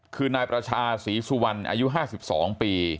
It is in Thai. คือนายประชาศรีสุวรรณอายุ๕๒ปี